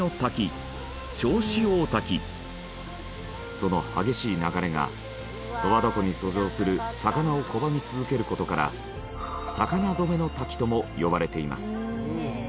その激しい流れが十和田湖に遡上する魚を拒み続ける事から魚止の滝とも呼ばれています。